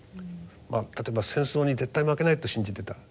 例えば戦争に絶対負けないと信じてた。